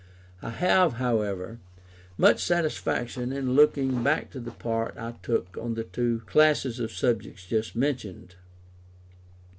I have, however, much satisfaction in looking back to the part I took on the two classes of subjects just mentioned.